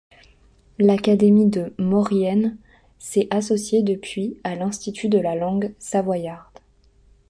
L'Académie de Maurienne s'est associé depuis à l'Institut de la langue savoyarde.